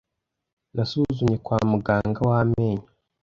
Nasuzumye kwa muganga w'amenyo.